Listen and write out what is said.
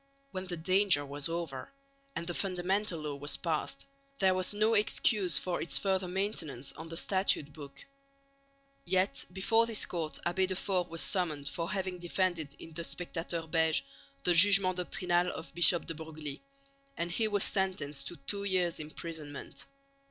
When the danger was over, and the Fundamental Law was passed, there was no excuse for its further maintenance on the Statute book. Yet before this court Abbé de Foere was summoned for having defended in the Spectateur Beige the jugement doctrinal of Bishop de Broglie, and he was sentenced to two years' imprisonment.